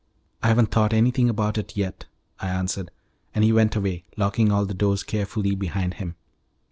"I haven't thought anything about it yet," I answered. And he went away, locking all the doors carefully behind him.